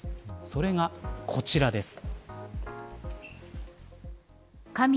それがこちらです。